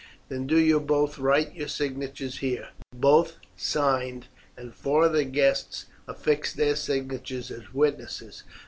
"Then do you both write your signatures here." Both signed, and four of the guests affixed their signatures as witnesses.